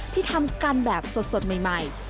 ที่ทำกันแบบสดใหม่